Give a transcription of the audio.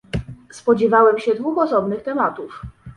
Spodziewałem się dwóch osobnych tematów